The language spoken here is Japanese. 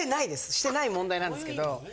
してない問題なんですけど。